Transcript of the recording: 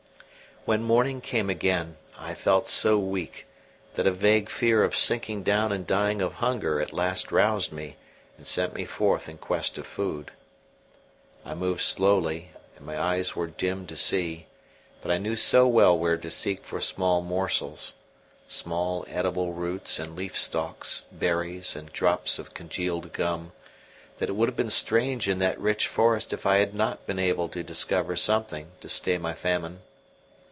When morning came again, I felt so weak that a vague fear of sinking down and dying of hunger at last roused me and sent me forth in quest of food. I moved slowly and my eyes were dim to see, but I knew so well where to seek for small morsels small edible roots and leaf stalks, berries, and drops of congealed gum that it would have been strange in that rich forest if I had not been able to discover something to stay my famine.